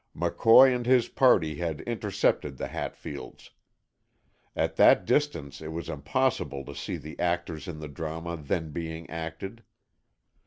McCoy and his party had intercepted the Hatfields. At that distance it was impossible to see the actors in the drama then being acted.